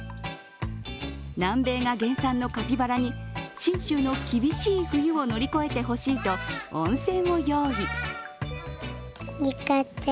南米が原産のカピバラに信州の厳しい冬を乗り越えてほしいと温泉を用意。